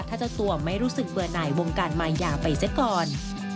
ถ้าจะตวมไม่รู้สึกเบื่อไหนวงการมายาไปซะก่อน